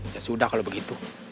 ya sudah kalau begitu